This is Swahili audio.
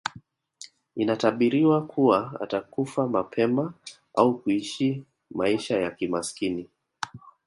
Inatabiriwa kuwa atakufa mapema au kuishi maisha ya kimasikini